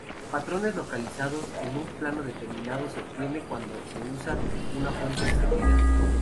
Patrones localizados en un plano determinado se obtienen cuando se usa una fuente extendida.